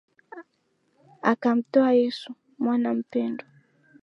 Akamtoa Yesu mwana mpendwa